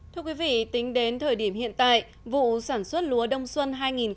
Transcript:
thưa quý vị tính đến thời điểm hiện tại vụ sản xuất lúa đông xuân hai nghìn một mươi bảy hai nghìn một mươi tám